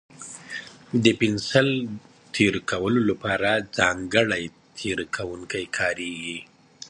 د پنسل تېره کولو لپاره ځانګړی تېره کوونکی کارېږي.